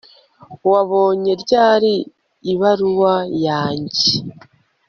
Wabonye ryari ibaruwa yanjye